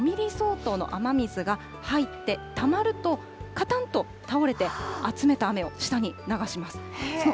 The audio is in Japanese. このますの中に、０．５ミリ相当の雨水が入って、たまるとかたんと倒れて、集めた雨を下に流します。